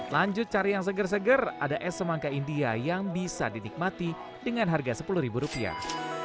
lanjut cari yang seger seger ada es semangka india yang bisa dinikmati dengan harga sepuluh ribu rupiah